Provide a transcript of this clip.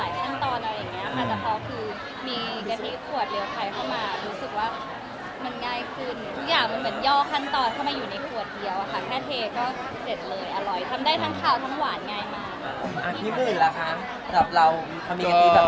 อาทิตย์ด้วยเหรอคะสำหรับเราทำอาหารกะทิแบบนี้เป็นอย่างไรบ้าง